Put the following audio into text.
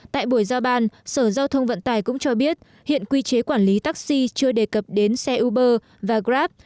tại buổi giao ban sở giao thông vận tải cũng cho biết hiện quy chế quản lý taxi chưa đề cập đến xe uber và grab